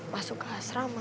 masuk ke asrama